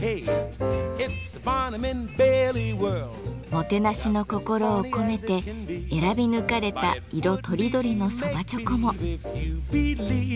もてなしの心を込めて選び抜かれた色とりどりの蕎麦猪口も。